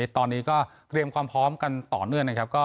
ตอนนี้ก็เตรียมความพร้อมกันต่อเนื่องนะครับ